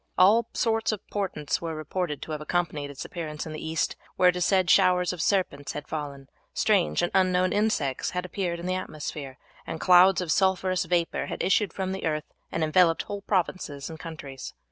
All sorts of portents were reported to have accompanied its appearance in the East; where it was said showers of serpents had fallen, strange and unknown insects had appeared in the atmosphere, and clouds of sulphurous vapour had issued from the earth and enveloped whole provinces and countries.